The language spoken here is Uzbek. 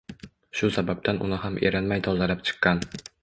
Shu sababdan uni ham erinmay tozalab chiqqan.